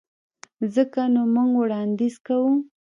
ځکه نو موږ وړانديز کوو.